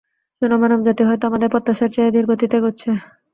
শুনো, মানব জাতি হয়তো আমাদের প্রত্যাশার চেয়ে ধীর গতিতে এগোচ্ছে।